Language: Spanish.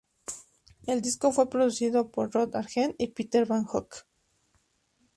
El disco fue producido por Rod Argent y Peter van Hooke.